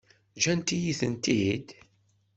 Ǧǧant-iyi-tent-id?